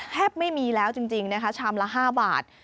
แทบไม่มีแล้วจริงนะคะชามละ๕บาท